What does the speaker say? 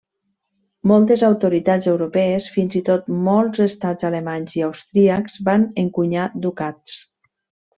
Moltes autoritats europees, fins i tot molts estats alemanys i austríacs, van encunyar ducats.